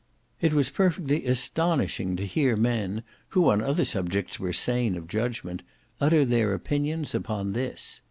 It was perfectly astonishing to hear men, who, on other subjects, were sane of judgment, utter their opinions upon this.